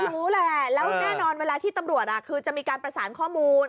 รู้แหละแล้วแน่นอนเวลาที่ตำรวจคือจะมีการประสานข้อมูล